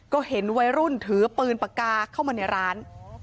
ก็เห็นวัยรุ่นถือปืนปากกาเข้ามาในร้าน